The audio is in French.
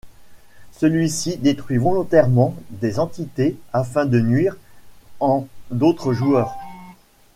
Celui-ci détruit volontairement des entités afin de nuïr en d'autre joueur.